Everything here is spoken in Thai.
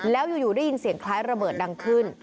แล้วอยู่ได้ยินเสียงคล้ายระเบิดดังขึ้น